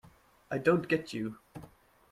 I don't get you.